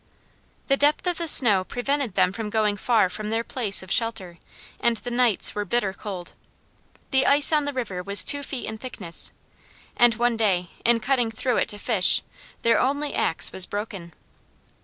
The depth of the snow prevented them from going far from their place of shelter, and the nights were bitter cold. The ice on the river was two feet in thickness; and one day, in cutting through it to fish, their only axe was broken.